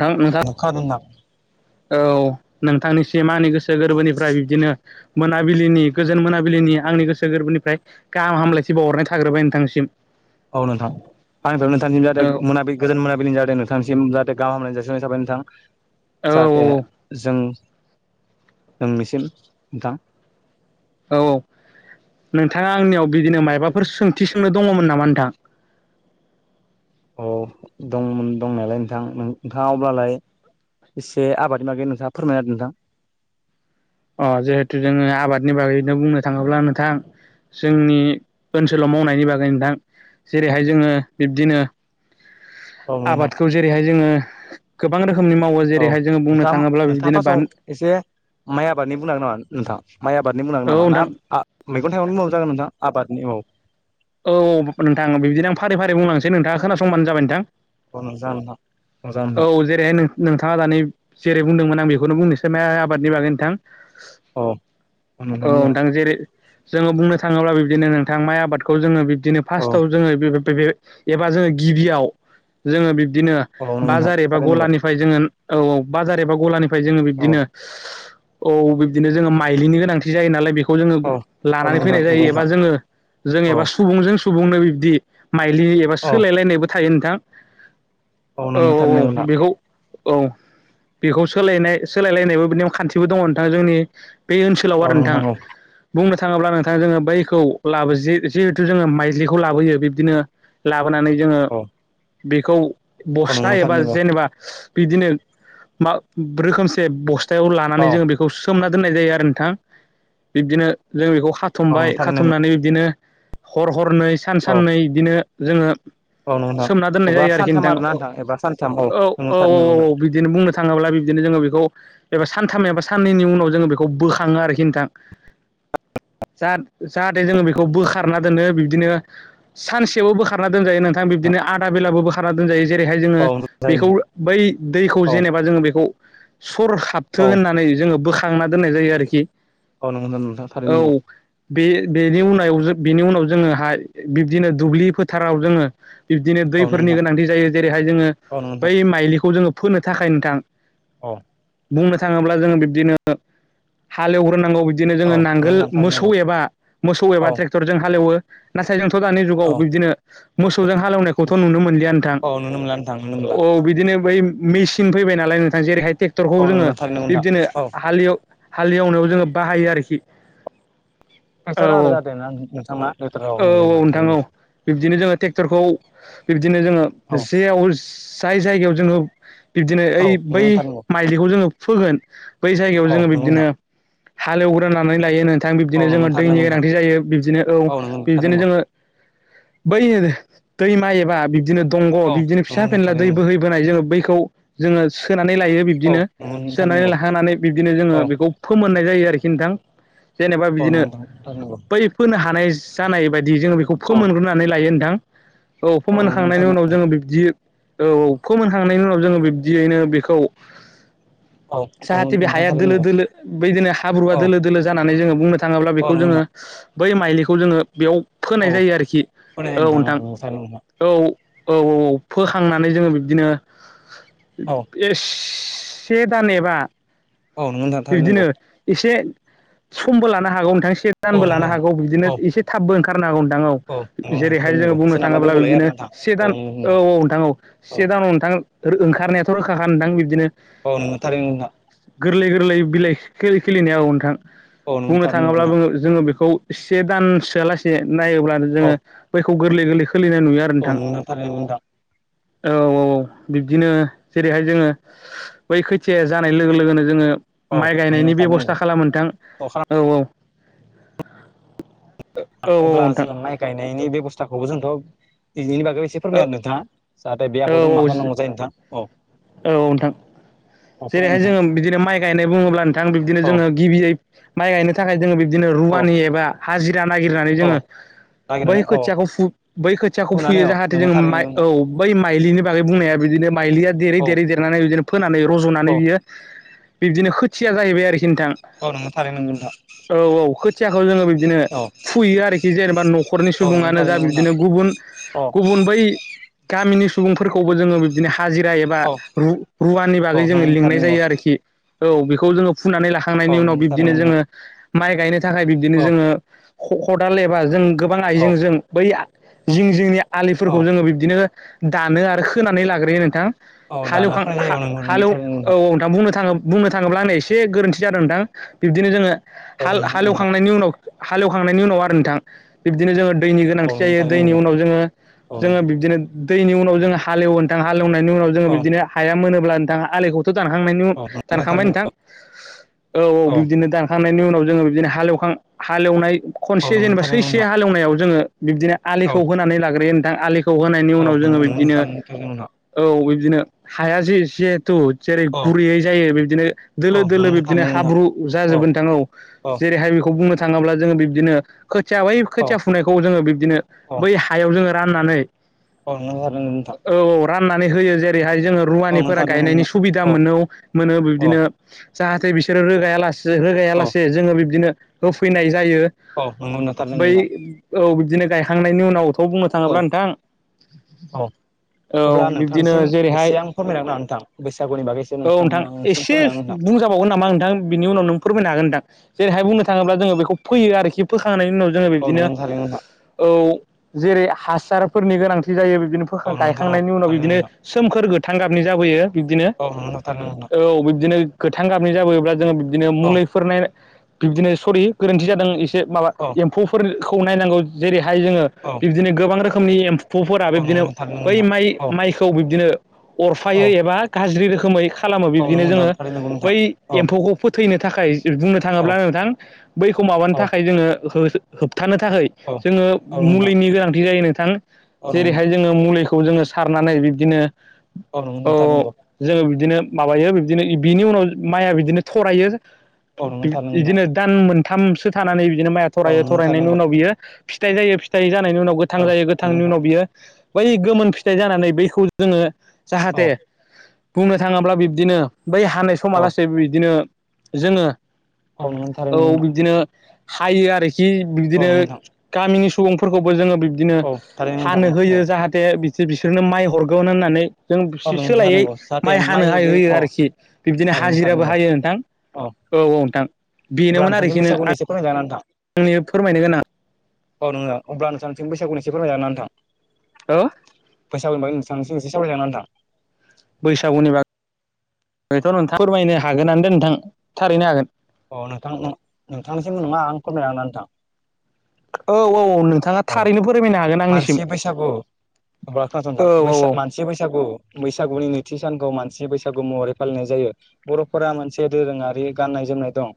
नोंथां नोंथां [unintelligible] औ नोंथांनिसिम आंनि गोसो गोरबोनिफ्राय बिब्दिनो मोनाबिलिनि गोजोन मोनाबिलिनि आंनि गोसो गोरबोनिफ्राय गाहाम हामलायथि बावहरनाय थाग्रोबाय नोंथांनिसिम औ नोंथां आंनिफ्राय नोंथांसिम औ जाथे मोनाबि गोजोन मोनाबिलिनि जाथे नोंथांसिम जाथे जाहाथे गाहाम हामलायनाय जासिनाय थाबाय नोंथां औ जाहाथे जों नोंनिसिम गाहाम औ औ नोंथाङा आंनियाव बिदिनो मायबाफोर सोंथि सोंनो दङमोन नामा नोंथां? [inaudible] औ दंमोन दंनायालाय नोंथां नोंथाङा अब्लालाय एसे आबादनि मागै नोंथाङा फोरमायना होदो नोंथां। अ जिहेथु जोङो आबादनि बागैनो बुंनो थाङोब्ला नोंथां। जोंनि ओनसोलाव मावनायनि बागै नोंथां जेरैहाय जोङो बिब्दिनो औ नोंथां आबादखौ जेरैहाय जोङो गोबां रोखोम औ नोंथाङा नोंथाङा बान फार्स्टआव एसे माइ आबादनि बुंनो हागोन नामा नोंथाङा? माइ आबादनि बुंनांगोन औ नामा ना नोंथां मैगं थाइगंनि बुंबाबो जागोन नोंथां आबादनि औ औ नोंथां बिद्बिनो आं फारि फारि बुंलांसै नोंथाङा खोनासंबानो जाबाय नोंथां। [inaudible] मोजां नोंथां औ जेरैहाय नोंथाङा दानि जेरै बुंदोंमोन आं बेखौनो बुंनोसै माय आबादनि बागै नोंथां औ बुंनो औ हागोन नोंथां। जेरै जोङो बुंनो थाङोब्ला बिब्दिनो नोंथां माइ आबादखौ जोङो बिब्दिनो औ फार्स्टआव जोङो एबा जोङो गिबियाव जोङो बिब्दिनो औ नंगौ नोंथां बाजार एबा थारैनो नंगौ गलानिफ्राय जोङो औ औ बाजार एबा गलानिफ्राय जोङो औ बिबदिनो औ औ बिब्दिनो जोङो माइलिनि गोनांथि जायो नालाय बेखौ जोङो औ औ लानानै नंगौ फैनाय नोंथां नंगौ जायो एबा नोंथां जोङो जों औ एबा सुबुंजों सुबुंनो बिब्दि माइलि एबा औ सोलायलायनायबो थायो नोंथां। औ नोंगौ औ औ थारैनो बेखौ औ बेखौ सोलायनाय सोलायलायनायबो बिदि खान्थिबो दङ' नोंथां जोंनि बे ओनसोलाव नंगौ आरो नोंथां औ नंगौ बुंनो थाङोब्ला नोंथाङा जोङो बैखौ लाबोज जिहेथु जोङो माइज्लिखौ लाबोयो बिब्दिनो लाबोनानै जोङो औ औ बेखौ औ बस्था नंगौ थारैनो एबा नंगौ जेनेबा बिदिनो मा रोखोमसे बस थायाव औ लानानै जोङो बेखौ सोमना दोननाय जायो आरो नोंथां बिब्दिनो जों बेखौ औ नंगौ खाथुमबाय थारैनो नंगौ खाथुमनानै बिद्बिनो हर हरनै सान औ साननै बिदिनो जोङो औ नंगौ नोंथां सोमना दोननाय अब्ला जायो आरोखि सानथाम नोंथां आरोना औ एबा सानथाम औ नंगौ औ औ थारैनो नंगौ औ बिदिनो बुंनो थाङोब्ला बिद्बिनो जोङो बेखौ एबा सानथाम एबा साननैनि उनाव जोङो बेखौ बोखाङो आरोखि ओनथां जाहा-जाहाथे जोङो बेखौ बोख बोखारना दोनो बिद्बिनो सानसेयावबो बोखारना दोनजायो नोंथां बिब्दिनो आदा बेलाबो बोखारना दोनजायो। जेरैहाय जोङो औ जायो बेखौ नोंथां बै दैखौ औ जेनेबा जोङो बेखौ सर औ हाबथो होननानै जोङो बोख खांना दोननाय जायो आरोखि औ नंगौ नोंथां थारैनो औ नंगौ बे बेनि उनाव जों बिनि उनाव जोङो हाय बिब्दिनो दुब्लि फोथाराव जोङो बिब्दिनो औ नंगौ दैफोरनि नोंथां गोनांथि जायो जेरैहाय जोङो औ नंगौ बै नोंथां माइलिखौ जोङो फोनो थाखाय नोंथां औ बुंनो थाङोब्ला जोङो बिब्दिनो हालेवग्रोनांगौ बि बिदिनो औ जोङो नंगौ नांगोल नोंथां थारैनो मोसौ नंगौ एबा मोसौ औ एबा ट्रेक्टरजों हालेवो नाथाइ जों दानि औ जुगाव बिद्बिनो मोसौ मोसौजों हालेवनायखौथ' नुनो मोनलिया नोंथां औ नुनो मोनला नोंथां नुनो मोनला औ बिदिनो बै मेसिन फैबाय नालाय नोंथां जेरैहाय टेक्टरखौ औ नंगौ जोङो नोंथां थारैनो नंगौ नोंथां बिबदिनो औ हालिएव हालिएवनायाव जोङो बाहायो आरोखि। औ औ औ नोंथां औ [unintelligible] बिब्दिनो जोङो टेक्टरखौ बिब्दिनो जोङो औ जेयाव जाय जायगायाव जोङो बिब्दिनो औ ओइ नंगौ बै नोंथां नंगौ माइलिखौ जोङो फोगोन बै जायगायाव औ जोङो नंगौ बिब्दिनो नोंथां हालेवग्रोनानै लायो नोंथां औ बिब्दिनो नंगौ जोङो थारैनो नंगौ दैनि नोंथां गोनांथि जायो ‌। बिदिनो औ नंगौ नोंथां बिबदिनो नंगौ जोङो बै दैमा एबा बिबदिनो दंग' औ बिदिनो फिसा नंगौ नोंथां फेनला थारैनो दै नंगौ बोहैबोनाय जोङो बैखौ जोङो सोननानै लायो औ बिब्दिनो नंगौ नोंथां सोनानै नंगौ लाहानानै बिब्दिनो जोङो औ बेखौ फोमोननाय जायो आरोखि नोंथां। जेनेबा अ नंगौ बिदिनो नोंथां थारै नंगौ। बै फोनो हानाय जानाय बायदि जोङो बेखौ औ फोमोनग्रोनानै लायो नोंथां। औ नंगौ फोमोनखांनायनि नोंथां उनाव जोङो बिब्दि औ औ फोमोनखांनायनि उनाव जोङो बिब्दियैनो बेखौ औ जाहाथे नंगौ बे नोंथां हाया थारैनो दोलो नंगौ दोलो बैदिनो हाब्रुआ औ दोलो दोलो जानानै जोङो बुंनो थाङोब्ला बेखौ जोङो बै माइलिखौ जोङो बेयाव फोनाय जायो आरोखि औ नोंथां औ औ औ फोखांनानै जोङो बिबदिनो एस से दान एबा औ नंगौ बिब्दिनो नोंथां एसे समबो लानो हागौ नोंथां। से दानबो लानो हागौ बिब्दिनो औ इसे थाबबो ओंखारनो हागौ नोंथां औ फोरमायनाय नोंथां औ नंगौ थारैनो नंगौ औ नंगौ नोंथां थारैनो नंगौ औ नंगौ औ नंगौ नोंथां जेरैहाय थारैनो जोङो नंगौ बुंनो सोरनाबा थाङोब्ला गोबाव लायो आरो बिब्दिनो ना से दान औ नोंथां औ नोंथां औ से दानाव नोंथां ओंखारनायाथ' रोखाखा नोंथां बिब्दिनो औ नोंगौ थारैनो नोंथां। गोरलै गोरलै बिलाइ खिलि खिलिनाया औ नोंथां बुंनो थाङोब्ला नोंथां बो जोङो बेखौ से दानसोआलासे नायोब्लानो जोङो बैखौ गोरलै गोरलैखौ अ नंगौ थारैनो नोंथां। औ औ बिब्दिनो जेरैहाय जोङो बै खैथियाया जानाय लोगो लोगोनो जोङो औ माइ नंगौ थारैनो नंगौ नोंथां औ नंगौ थारैनो नंगौ नोंथां औ नंगौ गायनायनि थारैनो नंगौ बेब'स्था खालामो नोंथां औ औ। औ औ अब्ला नोंथां जोङो माइ गायनायनि बेब'स्थाखौबो जोंथ' बिदिनि बागै खौ एसे औ फोरमायना होदो नोंथाङा जाहाथे बे औ हाखौ जों औ मा खामनांगौ जायो नोंथां औ। औ नोंथां। औ फोरमाय जेरैहाय नोंथां जोङो बिदिनो माइ गायनाय बुङोब्ला नोंथां बिब्दिनो औ जोङो गिबियै माइ गायनो थाखाय जोङो बिबदिनो औ रुवानि एबा हाजिरा नागिरनानै औ जोङो बै नागिरनानै औ खोथियाखौ बै खोथियाखौ फुनानै फुयो औ जाहाथे नोंगौ जों थारैनो माइ नोंगौ नोंथां औ बै माइलिनि बागै बुंनाया बिदिनो माइलिया देरै औ देरै देरनानै बिदिनो फोनानै रज'नानै औ बियो बिबदिनो खोथिया जाहैबाय आरोखि। नोंथां औ नोंगौ थारैनो नोंगौ नोंथां। औ औ खोथियाखौ जोङो बिबदिनो औ फुयो आरोखि जेनेबा न'खरनि औ नोंगौ सुबुङानो जा थारैनो नोंगौ नोंथां बिबदिनो गुबुन औ गुबुन बै गामिनि सुबुंफोरखौबो जोङो बिब्दिनो हाजिरा एबा औ रू रुवानि बाग औ जोङो नोंगौ लिंनाय थारैनो नोंगौ जायो आरोखि। औ बेखौ जोङो फुनानै लाखांनायनि औ उनाव नोंगौ बिब्दिनो थारैनो नोंगौ नोंथां जोङो माइ गायनो थाखाय बिब्दिनो औ जोङो ख' खदाल एबा जों गोबां औ आइजेंजों बै जिं जिंनि औ आलिफोरखौ जोङो बिब्दिनो दानो आरो खोनानै लाग्रोयो नोंथां। औ दान [unintelligible] हालौ औ औ नोंथां बुंनो थां बुंनो थाङोब्ला आंनिया एसे गोरोन्थि जादों नोंथां बिब्दिनो जोङो नोंथां औ हाल नोंगौ नोंथां हालेवखांनायनि उनाव हालेवखांनायनि उनाव आरो नोंथां बिब्दिनो जोङो दैनि औ गोनांथि नोंगौ जायो थारैनो दैनि नोंगौ उनाव जोङो जोङो नोंथां बिबदिनो दैनि उनाव जोङो हालएवो नोंथां हाल एवनायनि उनाव जोङो औ नोंथां औ बिब्दनो हाया मोनोब्ला नोंथां आलिखौ दानखांनायनि उन नोंगौ दानखांबाय थारैनो नोंथां औ औ नोंगौ नोंथां बिब्दिनो दानखां नायनि उनाव जोङो बिब्दिनो हालेवखां हालेवनाय खनसे औ नोंगौ जेनेबा थारैनो नोंगौ सैसे नोंथां हालेवनायाव जोङो बिब्दिनो औ आलिखौ होनानै लाग्रोयो नोंथां आलिखौ खौ होनायनि उनाव औ जोङो नोंगौ बिब्दिनो थारैनो नोंगौ नोंथां औ बिब्दिनो हाया जे जिहेथु जेरै औ गुरैयै जायो बिब्दिनो औ दोलो दोलो नंगौ बिबदिनो थारैनो नोंथां हाब्रु जाजोब नोंथाङा औ औ जेरैहाय खौ बुंनो थाङोब्ला जोङो बि दिनो खोथिया बै औ खोथिया फुनायखौ जोङो बिब्दिनो औ बै हायाव जोङो राननानै औ औ [unintelligible] राननानै होयो जेरैहाय जोङो औ नंगौ रुवानिफोरा थारैनो गायनायनि नोंथां सुबिदा औ मोनो मोनो। औ बिदिनो जाहाथे बिसोरो रोगाया लासे रोगाया औ लासे जोङो बिबदिनो होफैनाय जायो औ नंगौ थारैनो बै नोंथां औ बिदिनो गायखांनायनि उनाव खौ बुंनो थाङोब्ला औ नोंथां औ औ अब्ला बिब्दिनो नोंथांसिम जेरैहाय एसे आं फोरमायना [unintelligible] नोंथां बैसागुनि बागै एसे औ नोंथां नोंथांनिसिम एसे फोरमायना बुंजाबावगोन नामा नोंथां बिनि उनावनो फोरमायनो हागोन नोंथां जेरैहाय बुंनो थाङोब्ला जोङो बेखौ फैयो आरोखि फोखांनायनि उनाव जोङो होनो नोंथां औ बिदिनो नंगौ थारैनो नोंथां औ जेरै हासारफोरनि गोनांथि जायो। बिदिनो फोखां औ नंगौ नोंथां औ गायखांनायनि उनाव थारैनो बिदिनो नोंथां सोमखोर गोथां गाबनि जाबोयो बिदिनो औ [unintelligible] गोथां गाबनि जाबोयोब्ला जोङो बिदिनो नंगौ थारैनो नोंथां औ मुलिफोरनाय बिब्दिनो सरि गोरोन्थि जादों। माबा औ एम्फौफोरखौ नायनांगौ जेरैहाय जोङो औ बिब्दिनो गोबां रोखोमनि एम फौफोरा औ बिब्दिनो नंगौ थारैनो बै नोंथां माइ औ माइखौ बिब्दिनो औ अरफायै एबा गाज्रि रोखोमै खालामो औ नंगौ बिब्दिनो नोंथां जोङो थारैनो नंगौ नोंथां बै औ एम्फौखौ फोथैनो थाखाय बुंनो औ थाङोब्ला नोंथां बैखौ माबानो थाखाय जोङो होबथानो थाखाय औ जोङो औ नोंथां मुलिनि गोनांथि जायो नोंथां औ नंगौ नोंथां जेरैहाय जोङो मुलिखौ खौ जोङो सारनानै बिब्दिनो ओ नोंगौ नोथां औ नोंगौ। जोङो बिदिनो माबायो बिब्दिनो बिनि उनाव माइया बिदिनो थरायो। औ नंगौ थारैनो नोंथां बिदिनो दान मोनथामसो थानानै बिदिनो माया औ थरायो नंगौ थारैनो थरायनायनि नंगौ उनाव बियो फिथाइ जायो फिथाइ जानायनि उनाव गोथां औ जायो नंगौ गोथांनि नोंथां उनाव बियो बै गोमोन फिथाइ जानानै बैखौ जोङो औ जाहाथे बुंनो थाङोब्ला बिब्दिनो बै हानाय औ समालासे बिदिनो जोङो औ औ [unintelligible] बिब्दिनो हायो आरोखि औ बिदिनो नंगौ नोंथां गामिनि सुबुंफोरखौबो जोङो बिदिनो औ थारैनो नोंथां हानो होयो औ जाहाथे बि बिसोरनो माइ हरगोन होननानै जों औ सि नोंथां सोलायै थारैनो जाहाथे माइ हानो हाय बिदि होयो औ आरोखि बिबदिनो औ नोंथां हाजिराबो थारैनो औ हायो नोंथां औ औ नोंथां। अब्ला [unintelligible] बैसागु [unintelligible] नोंथां आंनो फोरमायनो गोनां औ नोङो अब्ला [unintelligible] बैसागुनि [unintelligible] थां हो [unintelligible] बेथ' नोंथाङा फोरमायनो हागोनानो दे नोंथां थारैनो हागोन अ नोंथां नोंथांनिसिमबो नङा आं [unintelligible] नोंथां औ औ औ नोंथाङा अ थारैनो फोरमायना मानसि बैसागु [unintelligible] औ औ बैसा औ मानसि बैसागु बैसागुनि नैथि सानखौ मानसि बैसागु महरै फालिनाय जायो बर'फोरा मोनसे दोरोङारि गाननाय जोमनाय दं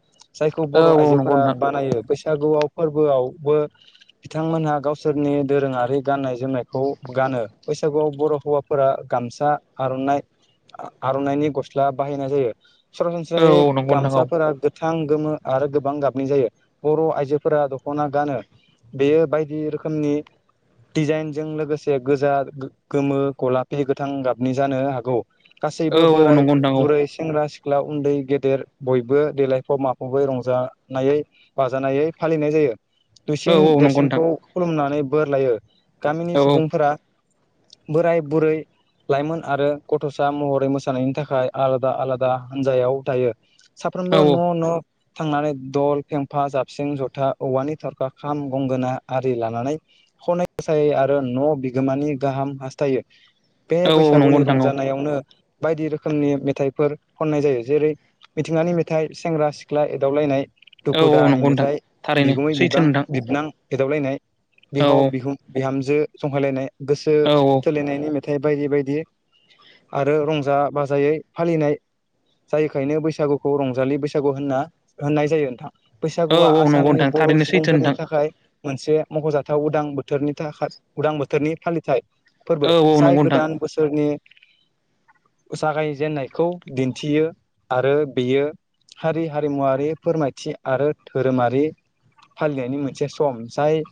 जायखौ औ बर' औ नंगौ आइजोफोरा नोंथां बानायो बै बैसागुआव फोरबोआवबो बिथांमोनहा गावसोरनि दोरोङारि गाननाय जोमनायखौ गानो बैसागुआव बर' हौवाफोरा गामसा आर'नाइ आर'नाइनि गस्ला बाहायनाय जायो औ सरासनस्रायै औ नंगौ नोंथां औ गामसाफोरा गोथां गोमो आरो गोबां गाबनाय जायो बर' आइजोफोरा दख'ना गानो बेयो बायदि रोखोमनि दिजाइनजों लोगोसे गोजा गोमो गलाफि गोथां गाबनि जानो हागौ औ गासैबो औ बोराय नंगौ नोंथां बुरै सेंग्रा सिख्ला सिख्ला उनदै गेदेर बयबो देलायफब माफबबै रंजानाय बाजानायै फालिनाय जायो औ दुइसिन औ औ नंगौ नोंथां देरसिनखौ खुलुमनानै बोर लायो गामिनि औ सुबुंफोरा बोराय बुरै लाइमोन आरो गथ'सा महरै मोसानायनि थाखाय आलादा आलादा हानजायाव थायो औ साफ्रोमबो औ न' न' थांनानै दल फेंफा जाबसिं ज'था औवानि थरखा खाम गंगोना आरि लानानै खनै मोसायै आरो न' बिगोमानि गाहाम हासथायो बे औ औ नंगौ बैसागुनि नोंथां औ रंजानायावनो बायदि रोखोमनि मेथाइफोर खननाय जायो जेरै मिथिंगानि मेथाइ सेंग्रा सिख्ला एदावलायनाय औ दुखु औ दाहानि नंगौ नोंथां मेथाइ थारैनो बिगुमै सैथो बिबां नोंथां बिबोनां एदावलायनाय औ बिहाव बिखुन बिहामजो जंखायलायनाय गोसो औ थोलायनायनि मेथाइ बायदि बायदि आरो रंजा बाजायै फालिनाय जायोखायनो बैसागुखौ रंजालि बैसागु होनना होननाय जायो नोंथां औ बैसागुया औ नंगौ आसामनि नोंथां बर' थारैनो सैथो सुबुंफोरनि नोंथां थाखाय मोनसे मख'जाथाव उदां बोथोरनि थाखाय उदां बोथोरनि फालिथाय फोरबो औ जाय नंगौ नोंथां गोदान बोसोरनि [inaudible] जागाय जेनननायखौ दिनथियो आरो बेयो हारि हारिमुवारि फोरमायथि आरो दोरोमारि फालिनायनि मोनसे सम जाय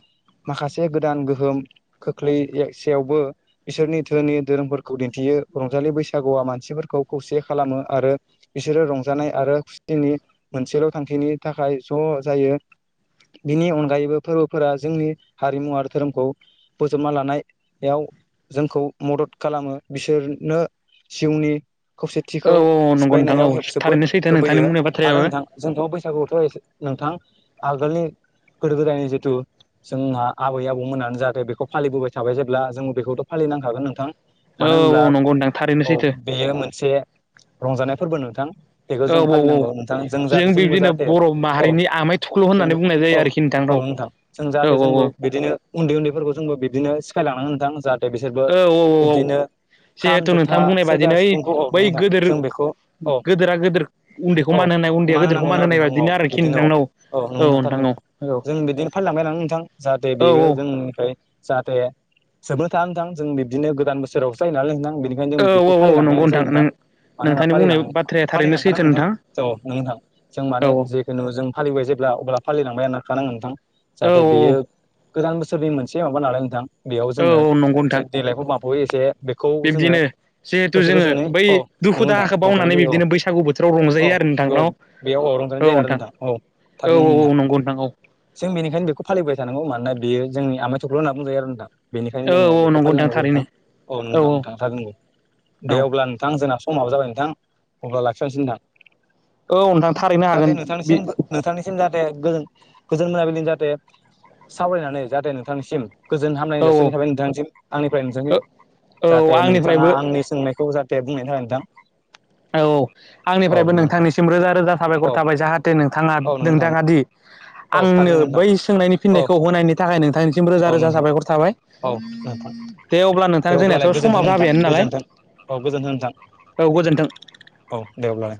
माखासे गोदान गोहोम खोख्लैसेयावबो बिसोरनि धोनि धोरोमफोरखौ दिनथियो रंजालि बैसागुआ मानसिफोरखौ खौसे खालामो आरो बिसोरो रंजानाय आरो मोनसेल' थांखिनि थाखाय ज' जायो बिनि अनगायैबो फोरबोफोरा जोंनि हारिमु आरो दोरोमखौ बोजबना लानायाव जोंखौ मदद खालामो बिसोरनो जिउनि औ खौसेथिखौ औ नंगौ नोंथां औ सिफायनायाव जोबोद थारैनो सैथो नोंथांनि होबोयो बुंनाय आरो बाथ्रायाबो नोंथां जोंथ' बैसागुयावथ' ए नोंथां आगोलनि गोदो गोदायनि जिथु जोंहा आबै आबौमोनानो जाहाथे बेखौ फालिबोबाय थाबाय जेब्ला जों बेखौथ' फालि नांखागोन नोंथां औ मानो औ होनब्ला नंगौ नोंथां थारैनो औ सैथो बेयो मोनसे रंजानाय फोरबो नोंथां बेखौ औ जों औ फालिनांगौ नोंथां जों जाथे जोंबो बिब्दिनो जाहाथे बर' औ माहारिनि आमाय थुख्ल' होननानै जोंबो बुंनाय जायो आरोखि नोंथां औ ओ नोथां जों औ जाहाथे जोंबो बिदिनो उनदै उनदैफोरखौ जोंबो बिदिनो सिखायलांनानै नोंथां जाहाथ थे बिसोरबो औ औ औ बिबदिनो खाम जिहेथु नोंथां ज'था बुंनाय सेरजा बादिनो ओइ सिफुंखौ बै औ नोंथां गोदोर जों बेखौ औ गोदोरा गोदोर उन्दैखौ औ मान होनाय उन्दैया मा गोदोरखौ होनांगौ मान आरो होनाय नोंथां बादिनो आरोखि बिदिनो नोंथां औ नां नोंथां औ जों बिदिनो फा लांबाय [unintelligible] नोंथां जाहाथे औ बेबो औ जोंनिफ्राय जाहाथे जोबनो थाङा नोंथां जों बिबदिनो गोदान बोसोराव जायो नालाय नोंथां बेनिखायनो औ जों बेखौ औ नंगौ फालिलांनाय जायो नोंथां नों मानो होनब्ला नोंथांनि फालि बुंनाय बाथ्राया थारैनो फालिलांखादा सैथो नोंथां औ नोंथां जों औ माने जेखुनु जों फालिबाय जे ब्ला अब्ला फालिलांबाय थाखानांगोन नोंथां औ जाहाथे बेयो औ गोदान बोसोरनि मोनसे माबा नालाय नोंथां बेयाव औ जोङो नंगौ एसे नोंथां देलायफब माफबयै एसे बेखौ जोङो बिब्दिनो जिहेथु गोसो जोङो गोजोनै औ बै दुखु दाहाखौ नोंथां बावनानै जायो औ बिब्दिनो बैसागु बोथोराव औ रंजायो आरो नोंथां औ बेयाव न' रंजानाय औ जायो आरो नोंथां औ थार औ औ ना नंगौ नोंथां औ जों बेनिखायनो बेखौ फालि लिबाय थानौ मानोना बेयो जोंनि आमथख्ल' होनना बुंजायो आरो दा बेनिखायनो औ जोङो औ बेखौ नंगौ फालिनांगौ जायो नोंथां थारैनो औ नोंथां नोंथाङा नोंगौ औ दे अब्ला नोंथां जोंना माबो जाबाय नोंथां अब्ला लाखिथनोसै नोंथां। नोंथां थारैनो जाहाथे हागोन बि नोंथांनिसिम नोंथांनिसिम जाहाथे ओ गोजोन मोनाबिलिजों जाहाथे सावरायनानै जाहाथे नोंथांनिसिम गोजोन हामलनाय औ औ जासिननि थाखाय नोंथांसिम आंनिफ्राय नोंथांसिम औ जाहाथे नोंथाङा आंनिफ्रायबो आंनि सोंनायखौ जाहाथे दे बुंनायनि थाखाय नोंथां [unintelligible] औ औ आंनिफ्रायबो नोंथां नोंथांनिसिम रोजा रोजा साबायखर औ थाबाय जाहाथे नोंथाङा औ नोंथां नोंथाङा दि औ आंनो थारैनो नोंथां बै सोंनायनि औ फिननायखौ होनायनि थाखाय नोंथांनिसिम रोजा औ रोजा नोंथां साबायखर थाबाय औ नोंथां दे अब्ला नोंथांजों दे अब्लालाय जोंनियाथ' समा गोजोन्थों नोंथां जाबायनो नालाय। गोजोन्थों औ गोजोनथों औ गोजोन्थों। औ दे अब्लालाय।